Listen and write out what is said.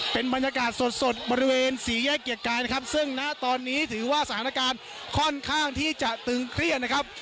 เป็นบรรยากาศสดสดบริเวณสี่แยกเกียรติกายนะครับซึ่งณตอนนี้ถือว่าสถานการณ์ค่อนข้างที่จะตึงเครียดนะครับ